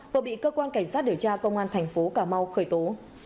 đã công an thành phố cà mau khởi tố